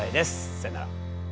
さよなら。